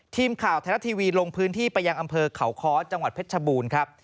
ทีมข่าวไทยรัฐทีวีลงพื้นที่ไปยังอำเภอเขาค้อจังหวัดเพชรชบูรณ์ครับ